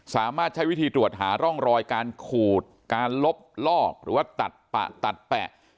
สามารถใช้วิธีตรวจหาร่องรอยการขูดการลบลอกหรือว่าตัดปะตัดแปะ